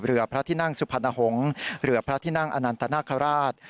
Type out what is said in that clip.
พระที่นั่งสุพรรณหงษ์เรือพระที่นั่งอนันตนาคาราช